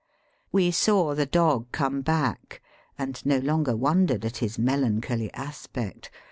We saw the dog come back, and no longer wondered at his melancholy aspect.